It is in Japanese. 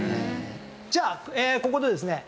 じゃあここでですね。